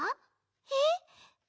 えっ？